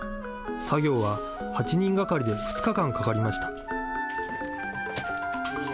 作業は８人がかりで２日間かかりました。